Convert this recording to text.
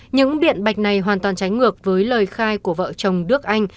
những điện bạch này hoàn toàn tránh ngược với lời khai của vợ chồng đước anh